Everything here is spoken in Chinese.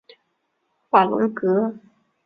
瓦龙格。